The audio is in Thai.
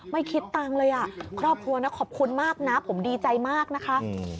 ไม่คิดตังค์เลยอ่ะครอบครัวนะขอบคุณมากนะผมดีใจมากนะคะ